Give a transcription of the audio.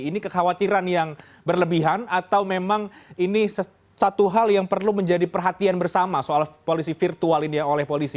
ini kekhawatiran yang berlebihan atau memang ini satu hal yang perlu menjadi perhatian bersama soal polisi virtual ini ya oleh polisi